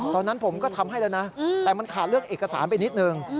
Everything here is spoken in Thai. ตอนนั้นผมก็ทำให้แล้วนะแต่มันขาดเรื่องเอกสารไปนิดนึง